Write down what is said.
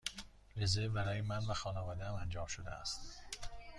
رزرو برای من و خانواده ام انجام شده است.